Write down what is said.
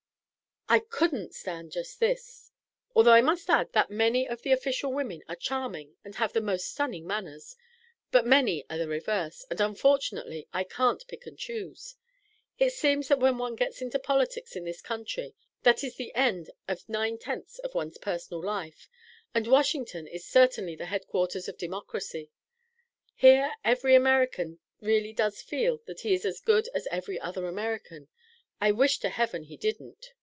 "I couldn't stand just this although I must add that many of the official women are charming and have the most stunning manners; but many are the reverse, and unfortunately I can't pick and choose. It seems that when one gets into politics in this country that is the end of nine tenths of one's personal life; and Washington is certainly the headquarters of democracy. Here every American really does feel that he is as good as every other American; I wish to heaven he didn't."